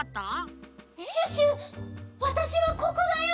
シュッシュわたしはここだよ！